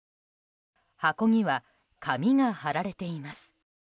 箱には紙が貼られています。